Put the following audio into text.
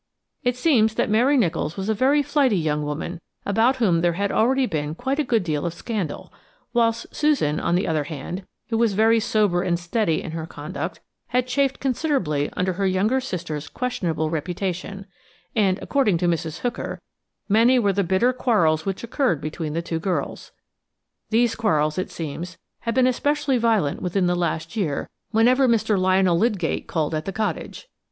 It seems that Mary Nicholls was a very flighty young woman, about whom there had already been quite a good deal of scandal, whilst Susan, on the other hand–who was very sober and steady in her conduct–had chafed considerably under her younger sister's questionable reputation, and, according to Mrs. Hooker, many were the bitter quarrels which occurred between the two girls. These quarrels, it seems, had been especially violent within the last year whenever Mr. Lionel Lydgate called at the cottage.